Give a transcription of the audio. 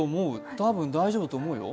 多分、大丈夫だと思うよ。